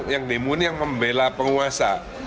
yang demo ini yang membela penguasa